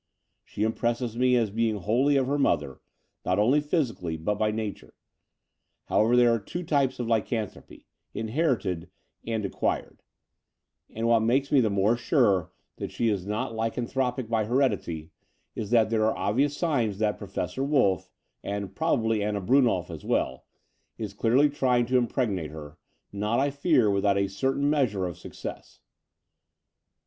She impresses me as being wholly of her mother, not only phy sically, but by nature. However, there are two types of lycanthropy — inherited and acquired: and what makes me the more sure that she is not 236 The Door of the Unreal lycanthropic by heredity, is that there are obvious signs that Professor WolflE — and, probably, Anna Brunnolf as well — ^is clearly trying to impregnate her — not, I fear, without a certain measure of success."